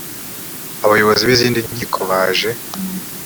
abayobozi b izindi nkiko baje